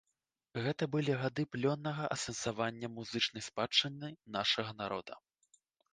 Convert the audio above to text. Гэта былі гады плённага асэнсавання музычнай спадчыны нашага народа.